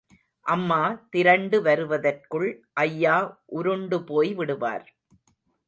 அம்மா திரண்டு வருவதற்குள் ஐயா உருண்டுபோய் விடுவார்.